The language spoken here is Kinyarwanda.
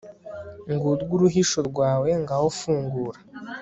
ngurwo uruhisho rwawe, ngaho fungura